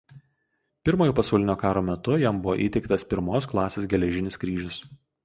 Pirmojo pasaulinio karo metu jam buvo įteiktas pirmos klasės geležinis kryžius.